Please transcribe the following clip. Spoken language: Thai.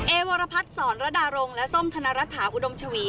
วรพัฒน์สอนระดารงและส้มธนรัฐาอุดมชวี